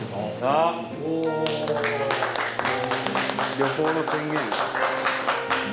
旅行の宣言。